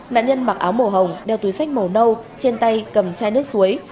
nạn nhân mặc áo màu hồng đeo túi sách màu nâu trên tay cầm chai nước suối